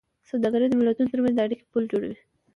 سوداګري د ملتونو ترمنځ د اړیکو پُل جوړوي.